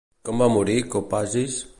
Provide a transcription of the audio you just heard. Com va morir Kopasis?